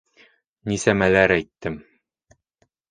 Нисәмәләр әйттем...